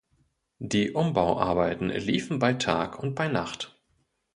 Die Umbauarbeiten liefen bei Tag und bei Nacht.